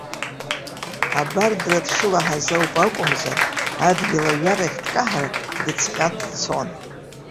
Абардра дшылаҳаз ауп акәымзар, адгьыл аҩарахь дкаҳар дыцҟьа дцон.